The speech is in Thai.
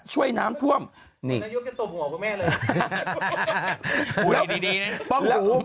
ช่วยน้ำท่วมนี่นายกจะตบหัวพวกแม่เลยพูดดีดีเนี้ยป้องหู